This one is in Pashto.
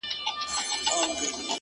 ماته اسانه سو د لوی خدای په عطا مړ سوم-